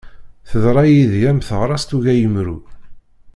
Teḍṛa yid-i, am teɣṛast ugayemru.